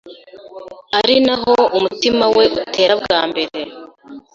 ari naho umutima we utera bwa mbere.